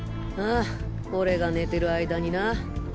ああ俺が寝てる間にな。